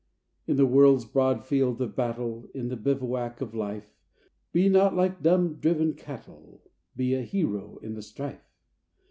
In the world's broad field of battle, In the bivouac of Life, Be not like dumb, driven cattle ! Be a hero in the strife